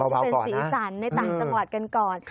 เป็นสีสันในต่างจังหวัดกันก่อน